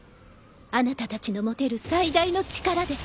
あなたたちの持てる最大の力で。